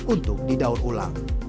untuk didaun ulang